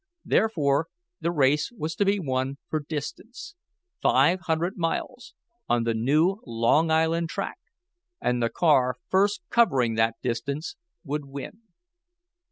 Therefore the race was to be one for distance five hundred miles, on the new Long Island track, and the car first covering that distance would win.